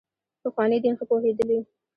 پخواني دین ښه پوهېدلي.